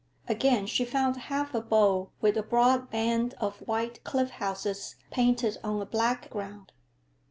Again she found half a bowl with a broad band of white cliff houses painted on a black ground.